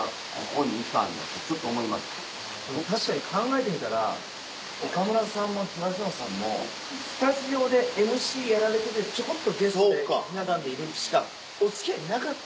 確かに考えてみたら岡村さんも東野さんもスタジオでＭＣやられててちょこっとゲストでひな壇にいるしかお付き合いなかった。